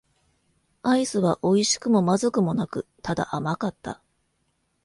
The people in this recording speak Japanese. アイスは美味しくも不味くもなく、ただ甘かった。